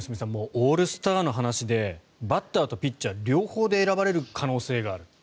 オールスターの話でバッターとピッチャー両方で選ばれる可能性がある。